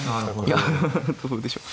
いやどうでしょう。